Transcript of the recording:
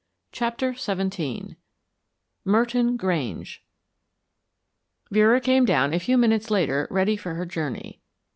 CHAPTER XVII MERTON GRANGE Vera came down a few moments later ready for her journey.